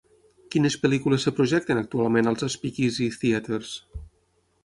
Quines pel·lícules es projecten actualment als Speakeasy Theaters